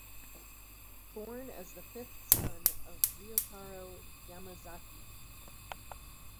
Born as the fifth son of Ryotaro Yamazaki.